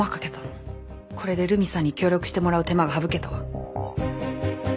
これで留美さんに協力してもらう手間が省けたわ。